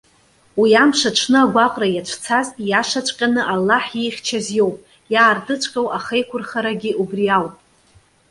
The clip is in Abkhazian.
Уи амш аҽны агәаҟра иацәцаз, иашаҵәҟьаны Аллаҳ иихьчаз иоуп. Иаартыҵәҟьоу ахеиқәырхарагьы убри ауп.